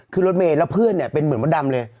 คือรถเมฆแล้วเพื่อนเป็นเหมือนว่าดำเลย